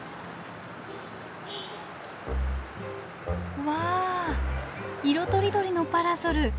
うわ色とりどりのパラソル。